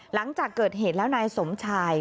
หลังจากเกิดเหตุแล้วนายสมชาย